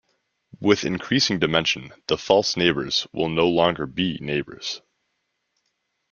With increasing dimension, the false neighbors will no longer be neighbors.